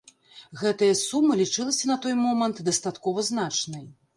Гэтая сума лічылася на той момант дастаткова значнай.